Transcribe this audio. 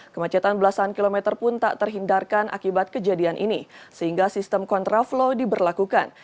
kemacetan belasan kilometer pun tak terhindarkan akibat kejadian ini sehingga sistem kontraflow diberlakukan